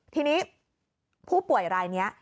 ทีนี้ผู้ป่วยรายนี้